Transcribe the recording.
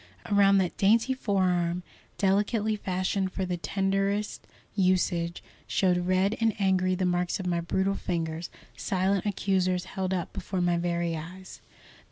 Around that dainty forearm, delicately fashioned for the tenderest usage, showed red and angry the marks of my brutal fingers, silent accusers held up before my very eyes.